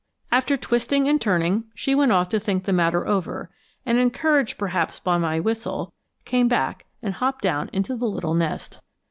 After twisting and turning she went off to think the matter over, and, encouraged perhaps by my whistle, came back and hopped down into the little nest.